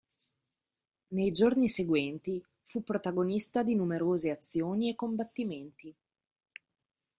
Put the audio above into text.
Nei giorni seguenti fu protagonista di numerose azioni e combattimenti.